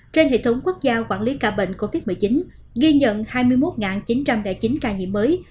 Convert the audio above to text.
trên hệ thống quốc gia quản lý ca bệnh covid một mươi chín ghi nhận hai mươi một chín trăm linh chín ca nhiễm mới